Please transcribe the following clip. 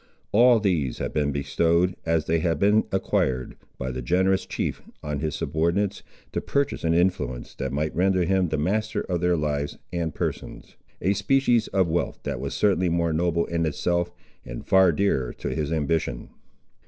All these had been bestowed, as they had been acquired, by the generous chief, on his subordinates, to purchase an influence that might render him the master of their lives and persons; a species of wealth that was certainly more noble in itself, and far dearer to his ambition.